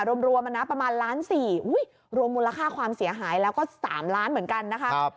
รวมนะประมาณล้าน๔รวมมูลค่าความเสียหายแล้วก็๓ล้านเหมือนกันนะคะ